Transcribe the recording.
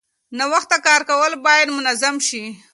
ناوخته کار کول باید منظم شي.